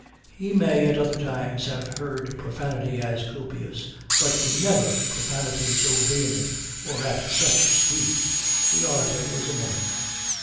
He may at other times have heard profanity as copious, but never profanity so vehement or at such speed. The orator was a woman.